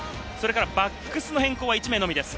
バックスの変更は１名のみです。